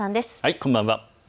こんばんは。